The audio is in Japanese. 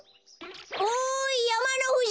おいやまのふじ！